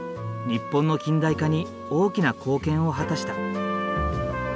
日本の近代化に大きな貢献を果たした。